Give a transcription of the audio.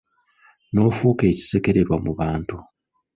N'ofuuka ekisekererwa mu bantu.